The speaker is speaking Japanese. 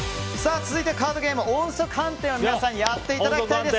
続いてはカードゲーム音速飯店を皆さんにやっていただきたいです。